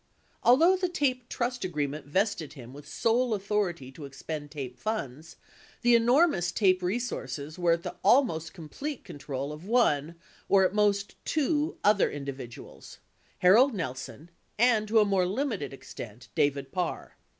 Although the TAPE trust agreement vested him with sole authority to expend TAPE funds, the enormous TAPE resources were at the almost complete control of one, or at most, two other individuals — Harold Nelson and, to a more limited extent, David Parr.